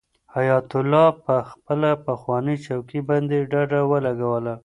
حیات الله په خپله پخوانۍ چوکۍ باندې ډډه ولګوله.